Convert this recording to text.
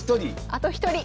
あと１人！